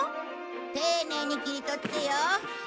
丁寧に切り取ってよ。